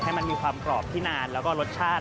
ให้มันมีความกรอบที่นานแล้วก็รสชาติ